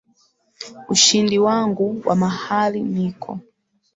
ushindi wangu wa mahali niko